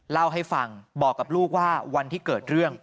เล่าให้ฟังบอกกับลูกว่าวันที่เกิดเรื่อง